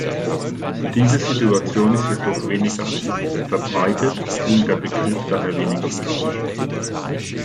Diese Situation ist jedoch weniger verbreitet und der Begriff daher weniger üblich.